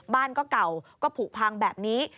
บ้านก็เก่าก็ผูกพังแบบนี้